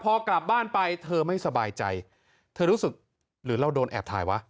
พอกลับบ้านไปเธอไม่สบายใจเธอรู้สึกหรือเราโดนแอบถ่ายวะ